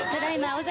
尾崎！